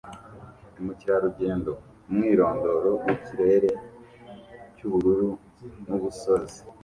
Umukerarugendo 'umwirondoro wikirere cyubururu nubusozi